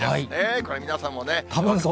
これ、皆さんも。